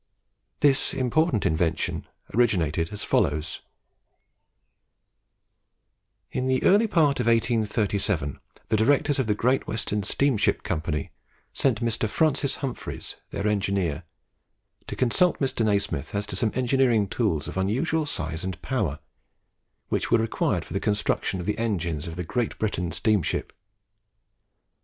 This important invention originated as follows: In the early part of 1837, the directors of the Great Western Steam Ship Company sent Mr. Francis Humphries, their engineer, to consult Mr. Nasmyth as to some engineering tools of unusual size and power, which were required for the construction of the engines of the "Great Britain" steamship.